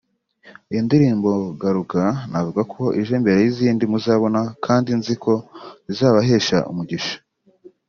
Iyi ndirimbo Garuka navuga ko ije mbere y'izindi muzabona kandi nzi ko zizabahesha umugisha